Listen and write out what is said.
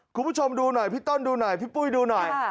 คุณผู้ชมดูหน่อยพี่ต้นดูหน่อยพี่ปุ้ยดูหน่อย